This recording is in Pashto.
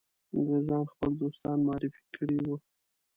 انګرېزان خپل دوستان معرفي کړي وه.